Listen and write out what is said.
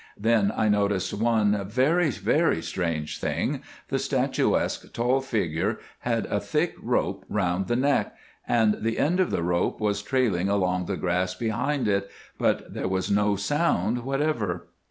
Then I noticed one very very strange thing—the statuesque tall figure had a thick rope round the neck, and the end of the rope was trailing along the grass behind it, but there was no sound whatever.